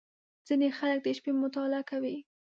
• ځینې خلک د شپې مطالعه کوي.